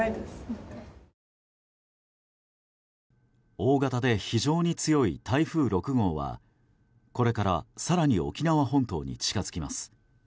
大型で非常に強い台風６号はこれから更に沖縄本島に近づきます。